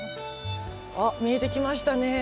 あっ見えてきましたねえ。